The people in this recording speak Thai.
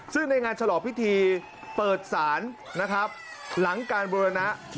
ซึ่งในงานฉลองพิธีเปิดศาลนะครับหลังการบุรณะ